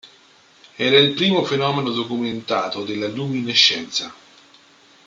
Era il primo fenomeno documentato della luminescenza.